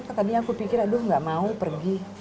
tadi aku pikir aduh gak mau pergi